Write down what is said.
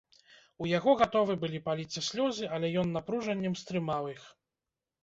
У яго гатовы былі паліцца слёзы, але ён напружаннем стрымаў іх.